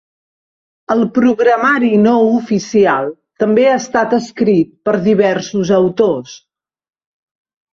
El programari no oficial també ha estat escrit per diversos autors.